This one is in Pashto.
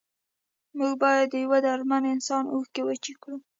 موږ باید د یو دردمند انسان اوښکې وچې کړو.